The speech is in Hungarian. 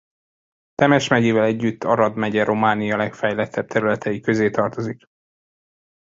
Temes megyével együtt Arad megye Románia legfejlettebb területei közé tartozik.